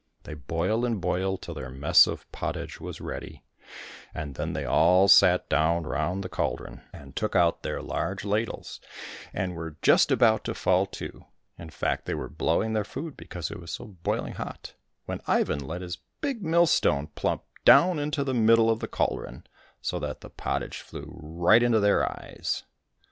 They boiled and boiled till their mess of pottage was ready, and then they all sat down round the cauldron 229 COSSACK FAIRY TALES and took out their large ladles, and were just about to fall to — in fact they were blowing their food because it was so boiling hot — ^when Ivan let his big millstone plump down into the middle of the cauldron, so that the pottage flew right into their eyes.